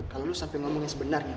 kalau lu sampai ngomong yang sebenarnya